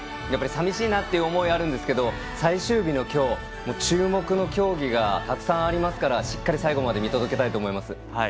寂しいなという思いがあるんですが最終日の今日注目の競技がたくさんありますからしっかり最後まで見届けたいと思います。